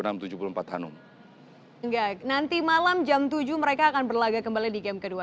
enggak nanti malam jam tujuh mereka akan berlagak kembali di game kedua